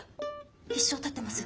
一生立ってます。